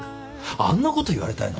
あんなこと言われたいの？